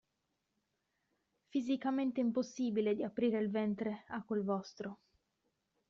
Fisicamente impossibile di aprire il ventre a quel vostro.